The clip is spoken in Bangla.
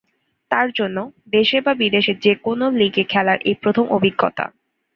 তার জন্য, দেশে বা বিদেশে যে কোনও লিগে খেলার এই প্রথম অভিজ্ঞতা।